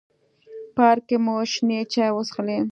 پارک کې مو شنې چای وڅښلې.